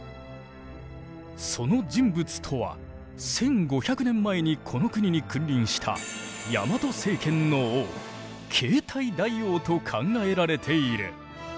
その人物とは１，５００年前にこの国に君臨したヤマト政権の王継体大王と考えられている。